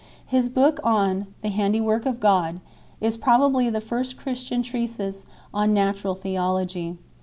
His book on the Handiwork of God* is probably the first Christian treatise on natural theology.